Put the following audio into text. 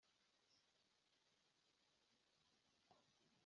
Gukurikirana imyitwarire y’abayobozi